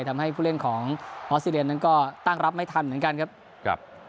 ทำให้ผู้เล่นของออสเตรเลียนั้นก็ตั้งรับไม่ทันเหมือนกันครับ